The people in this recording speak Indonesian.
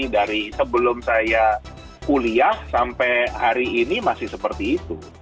dari sebelum saya kuliah sampai hari ini masih seperti itu